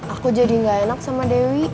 aku jadi gak enak sama dewi